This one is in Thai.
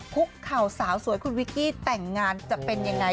คุกเข่าสาวสวยคุณวิกกี้แต่งงานจะเป็นยังไง